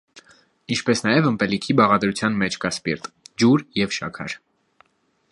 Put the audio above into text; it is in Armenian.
Ինչպես նաև ըմպելիքի բաղադրության մեջ կա սպիրտ, ջուր և շաքար։